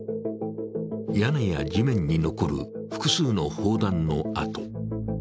屋根や地面に残る複数の砲弾の跡。